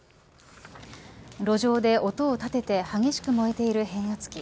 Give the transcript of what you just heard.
路上で音を立てて激しく燃えている変圧器。